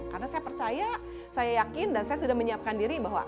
karena saya percaya saya yakin dan saya sudah menyiapkan diri bahwa